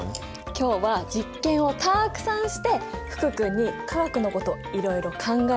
今日は実験をたくさんして福くんに化学のこといろいろ考えてもらおうと思って。